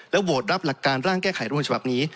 และโหวตรับหลักการร่างแก้ไขร่วงศาพนี้